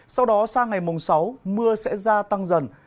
sau đó sang ngày mùng sáu mưa sẽ gia tăng dần